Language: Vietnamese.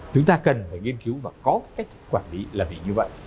chúng ta cần phải nghiên cứu và có cách quản lý là vì như vậy